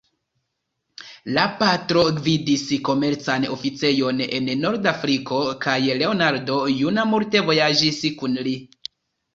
La patro gvidis komercan oficejon en Nord-Afriko kaj Leonardo juna multe vojaĝis kun li.